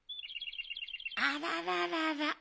あらららら。